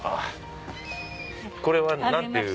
これは何ていう？